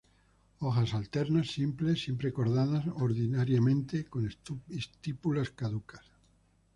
Hojas alternas, simples, siempre cordadas, ordinariamente con estípulas caducas.